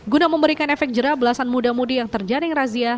guna memberikan efek jerah belasan muda mudi yang terjaring razia